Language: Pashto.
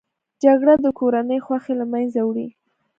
جګړه د کورنۍ خوښۍ له منځه وړي